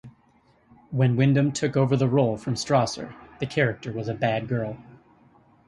When Wyndham took over the role from Strasser, the character was a bad girl.